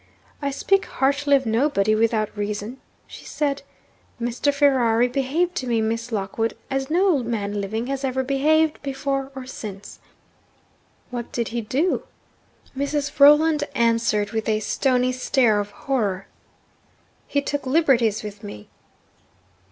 'I speak harshly of nobody without reason,' she said. 'Mr. Ferrari behaved to me, Miss Lockwood, as no man living has ever behaved before or since.' 'What did he do?' Mrs. Rolland answered, with a stony stare of horror: 'He took liberties with me.'